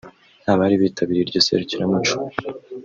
Abari bitabiriye iryo serukiramuco